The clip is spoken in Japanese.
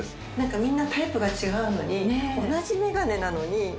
みんなタイプが違うのに同じメガネなのに全然違う。